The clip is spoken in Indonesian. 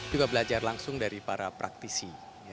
juga belajar langsung dari para praktisi